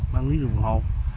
băng lý rừng hồ